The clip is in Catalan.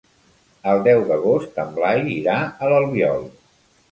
El deu d'agost en Blai irà a l'Albiol.